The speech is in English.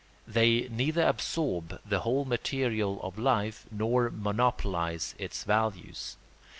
They neither absorb the whole material of life nor monopolise its values.